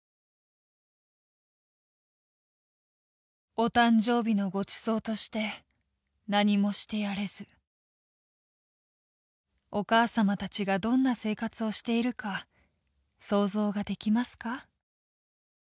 「お誕生日の御馳走として何もしてやれずお母様達がどんな生活をしているか想像ができますか」。